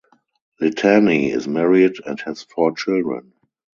Litani is married and has four children.